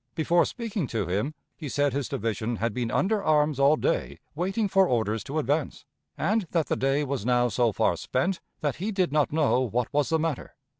Before speaking to him, he said his division had been under arms all day waiting for orders to advance, and that the day was now so far spent that he did not know what was the matter.